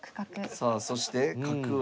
さあそして角を。